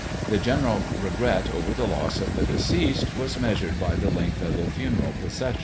The general regret over the loss of the deceased was measured by the length of the funeral procession.